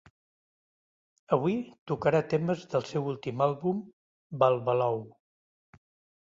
Avui tocarà temes del seu últim àlbum, ‘Balbalou’.